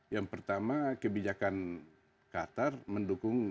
yang pertama kebijakan qatar mendukung